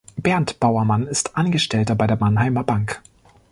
Bernd Bauermann ist Angestellter bei der "Mannheimer Bank".